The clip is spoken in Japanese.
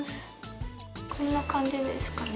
こんな感じですかね。